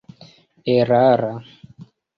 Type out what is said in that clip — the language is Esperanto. erara